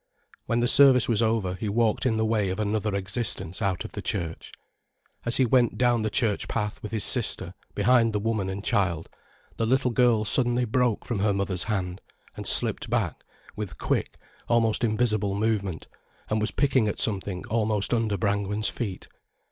When the service was over, he walked in the way of another existence out of the church. As he went down the church path with his sister, behind the woman and child, the little girl suddenly broke from her mother's hand, and slipped back with quick, almost invisible movement, and was picking at something almost under Brangwen's feet.